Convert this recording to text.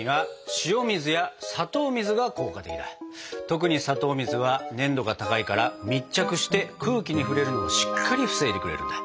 特に砂糖水は粘度が高いから密着して空気に触れるのをしっかり防いでくれるんだ。